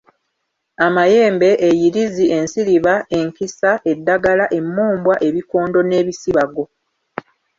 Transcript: Amayembe, eyirizi, ensiriba, enkisa, eddagala, emmumbwa, ebikondo n'ebisibago.